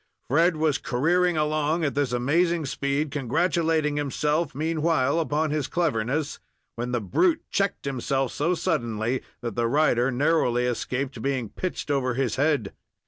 Fred was careering along at this amazing speed, congratulating himself meanwhile upon his cleverness, when the brute checked himself so suddenly that the rider narrowly escaped being pitched over his head.